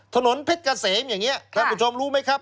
ถนนเพชรเกษมอย่างนี้ท่านผู้ชมรู้ไหมครับ